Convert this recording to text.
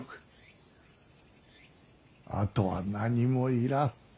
あとは何もいらん。